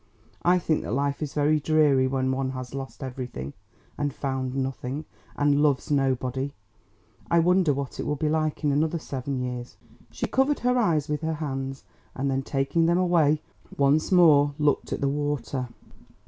I think that life is very dreary when one has lost everything, and found nothing, and loves nobody. I wonder what it will be like in another seven years." She covered her eyes with her hands, and then taking them away, once more looked at the water.